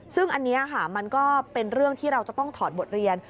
ซึ่งอันนี้ค่ะมันก็เป็นเรื่องที่เราจะต้องถอดบทเรียน